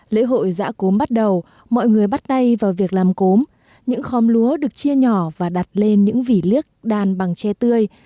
lễ hội giã cốm bắt đầu mọi người bắt tay vào việc làm cốm những khóm lúa được chia nhỏ và đặt lên những vỉ liếc đàn bằng che tươi